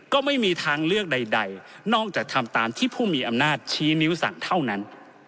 ก็ไม่มีทางเลือกใดนอกจากทำตามที่ผู้มีอำนาจชี้นิ้วสั่งเท่านั้น